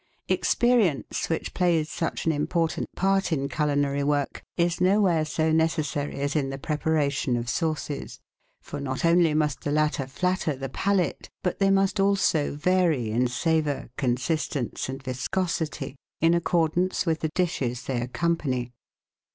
Experience, which plays such an important part in culinary work, is nowhere so necessary as in the preparation of sauces, for not only must the latter flatter the palate, but they must also vary in savour, consistence and viscosity, in accordance with the dishes they accompany.